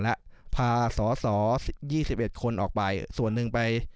แล้วพาสตร์๒๑คนออกไป